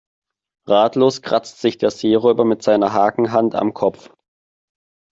Ratlos kratzt sich der Seeräuber mit seiner Hakenhand am Kopf.